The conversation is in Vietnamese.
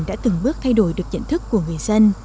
đã từng bước thay đổi được nhận thức của người dân